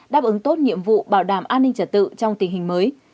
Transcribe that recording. đáp ứng tốt nhiệm vụ bảo đảm an ninh trật tự trong tình hình mới